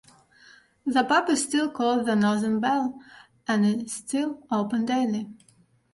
The pub is still called the "Northern Belle" and is still open daily.